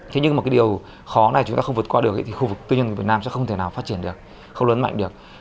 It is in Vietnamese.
thế nhưng mà cái điều khó này chúng ta không vượt qua được thì khu vực tư nhân việt nam sẽ không thể nào phát triển được không lớn mạnh được